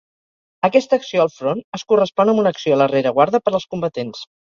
Aquesta acció al front es correspon amb una acció a la rereguarda per als combatents.